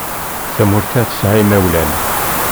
Tamurt-a tesɛa imawlan.